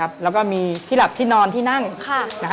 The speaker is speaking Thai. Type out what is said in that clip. แล้วก็มีที่หลับที่นอนที่นั่ง